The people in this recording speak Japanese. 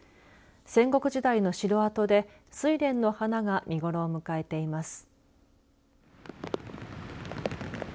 戦国時代の城跡でスイレンの花が見頃を迎えています。